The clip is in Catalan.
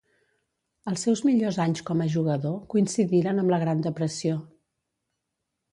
Els seus millors anys com a jugador coincidiren amb la Gran Depressió.